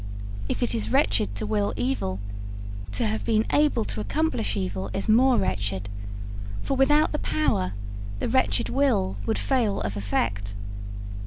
If it is wretched to will evil, to have been able to accomplish evil is more wretched; for without the power the wretched will would fail of effect.